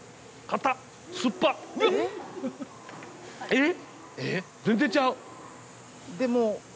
えっ？